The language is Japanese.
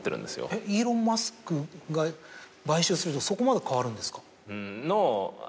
えっイーロン・マスクが買収するとそこまで変わるんですか？